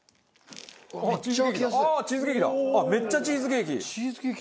チーズケーキだ。